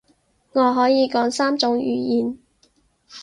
我可以講三種語言